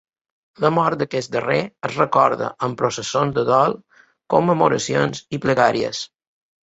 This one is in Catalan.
La mort d'aquest darrer es recorda amb processons de dol, commemoracions i pregàries.